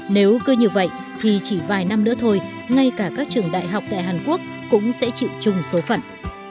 nếu cứ như vậy thì chỉ vài năm nữa thôi ngay cả các trường đại học tại hàn quốc cũng sẽ chịu chung số phận